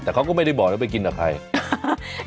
แต่เขาก็ไม่ได้บอกนะไปกินกับใคร